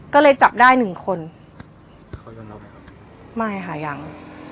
ก็เลยจับได้หนึ่งคนไม่หายัง